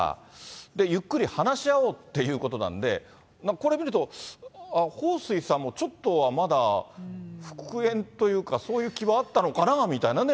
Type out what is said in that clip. で、ゆっくり話し合おうっていうことなんで、これ見ると、ああ、彭帥さんもちょっとはまだ復縁というか、そういう気はあったのかなみたいなね。